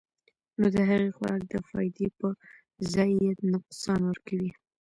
نو د هغې خوراک د فائدې پۀ ځائے نقصان ورکوي -